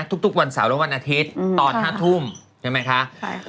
ทุกวันเสาร์และวันอาทิตย์ตอน๕ทุ่มใช่ไหมคะ